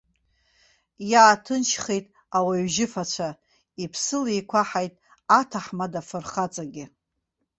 Иааҭынчхеит ауаҩжьыфацәа, иԥсы леиқәаҳаит аҭаҳмада фырхаҵагьы.